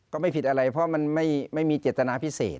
ก็ไม่ผิดอะไรเพราะมันไม่มีเจตนาพิเศษ